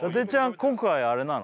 今回あれなの？